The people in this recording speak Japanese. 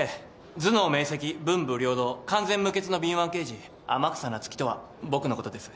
頭脳明晰文武両道完全無欠の敏腕刑事天草那月とは僕のことです。